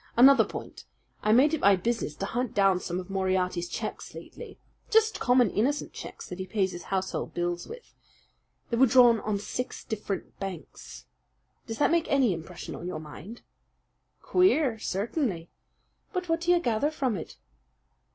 Another point: I made it my business to hunt down some of Moriarty's checks lately just common innocent checks that he pays his household bills with. They were drawn on six different banks. Does that make any impression on your mind?" "Queer, certainly! But what do you gather from it?"